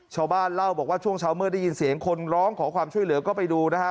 ชาวบ้านเล่าบอกว่าช่วงเช้าเมื่อได้ยินเสียงคนร้องขอความช่วยเหลือก็ไปดูนะฮะ